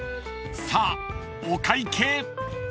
［さあお会計］